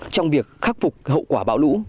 trong việc khắc phục hậu quả bão lũ